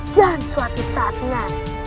dan suatu saatnya